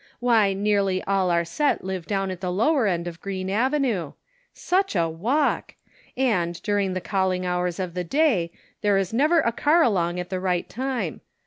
Why nearly all our set live down at the lower end of Green Avenue. Such a walk ! And, during the calling hours of the Cake Mathematically Considered. 65 day, there is never a car along at the right time.